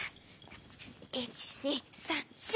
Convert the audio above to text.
１２３４！